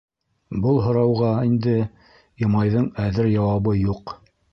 Был һорауға инде Имайҙың әҙер яуабы юҡ.